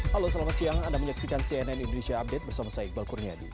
halo selamat siang anda menyaksikan cnn indonesia update bersama saya iqbal kurniadi